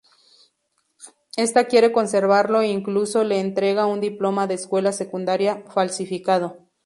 Esta quiere conservarlo e incluso le entrega un diploma de escuela secundaria falsificado.